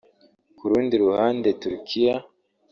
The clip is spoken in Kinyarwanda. ku rundi ruhande Turkiya